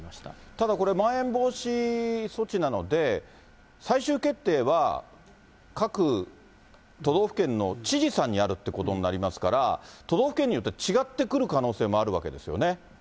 ただこれ、まん延防止措置なので、最終決定は各都道府県の知事さんにあるってことになりますから、都道府県によって違ってくる可能性もあるわけですよね。